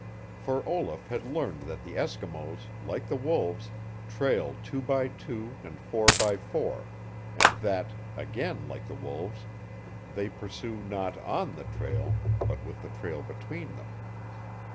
For Olaf had learned that the Eskimos, like the wolves, trail two by two and four by four, and that again like the wolves they pursue not ON the trail but with the trail between them.